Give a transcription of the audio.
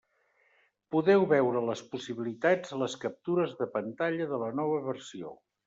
Podeu veure'n les possibilitats a les captures de pantalla de la nova versió.